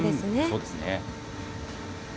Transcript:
そうですね。